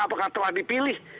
apakah telah dipilih